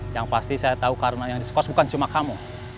yang pasti saya tahu karena yang diskos bukan cuma kamu